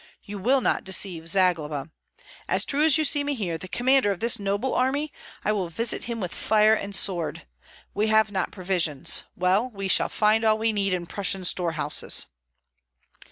You will not deceive Zagloba! As true as you see me here, the commander of this noble army, I will visit him with fire and sword. We have not provisions; well, we shall find all we need in Prussian storehouses."